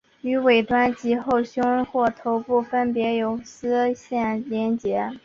于尾端及后胸或头部分别有丝线连结。